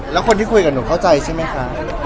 แล้วคนที่คุยกับหนูเข้าใจใช่ไหมคะ